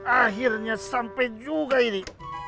akhirnya sampai juga ini